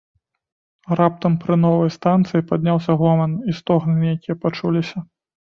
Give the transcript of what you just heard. Раптам пры новай станцыі падняўся гоман і стогны нейкія пачуліся.